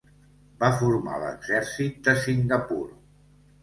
Va formar l'exèrcit de Singapur.